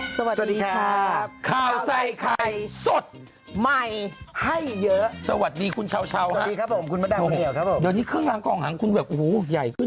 สวัสดีค่ะครับข้าวใส่ไข่สดใหม่ให้เยอะสวัสดีคุณชาวครับครับผมคุณมาด้าน